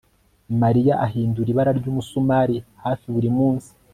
Mariya ahindura ibara ryumusumari hafi buri munsi